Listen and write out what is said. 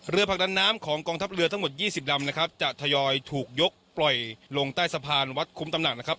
ผลักดันน้ำของกองทัพเรือทั้งหมด๒๐ลำนะครับจะทยอยถูกยกปล่อยลงใต้สะพานวัดคุ้มตำหนักนะครับ